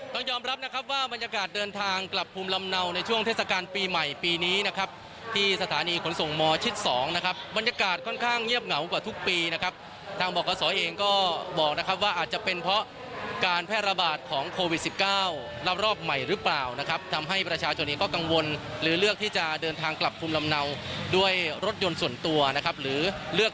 ต้องยอมรับนะครับว่าบรรยากาศเดินทางกลับภูมิลำเนาในช่วงทศกาลปีใหม่ปีนี้นะครับที่สถานีขนส่งหมอชิด๒นะครับบรรยากาศค่อนข้างเงียบเหงากว่าทุกปีนะครับทางบอกข้อสอยเองก็บอกนะครับว่าอาจจะเป็นเพราะการแพร่ระบาดของโควิด๑๙รอบใหม่หรือเปล่านะครับทำให้ประชาชนิดก็กังวลหรือเลือก